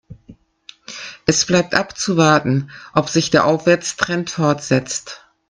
Es bleibt abzuwarten, ob sich der Aufwärtstrend fortsetzt.